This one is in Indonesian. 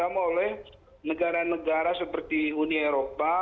sama oleh negara negara seperti uni eropa